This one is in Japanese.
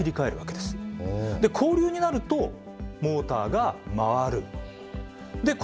で交流になるとモーターが回る。